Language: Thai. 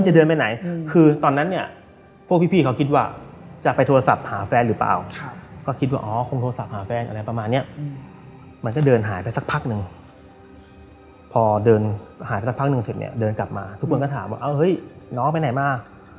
พอเดินหายไปสักพักหนึ่งเสร็จเนี่ยเดินกลับมาทุกคนก็ถามว่าเฮ้ยน้องไปไหนมา